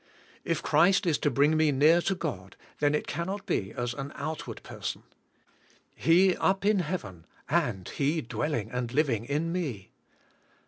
If Christ is to bring me near to God then it cannot be as an out ward person. He up in heaven and He dwelling and living in me.